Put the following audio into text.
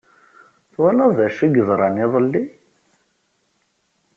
Twalaḍ d acu i yeḍran iḍelli?